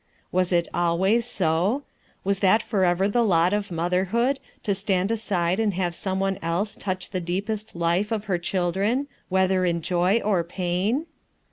"Was it always so? Was that forever the lot of motherhood, to stand aside and have some one else touch the deepest life of her children, whether in joy or pain?